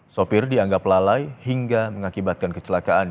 sopir dianggap lalai hingga mengakibatkan kecelakaan